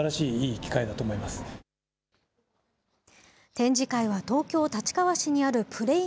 展示会は東京・立川市にある、ＰＬＡＹ！